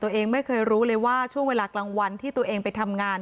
ตัวเองไม่เคยรู้เลยว่าช่วงเวลากลางวันที่ตัวเองไปทำงาน